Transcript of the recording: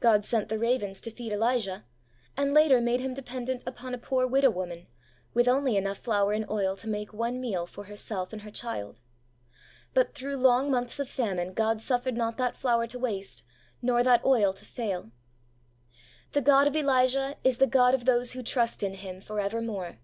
God sent the ravens to feed Elijah, and later made him dependent upon a poor widow woman, with only enough flour and oil to make one meal for herself and her child. But through long months of famine God suffered not that flour to waste, nor that oil to fail. The God of Elijah is the God of those who trust in Him for evermore.